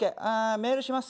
メールします。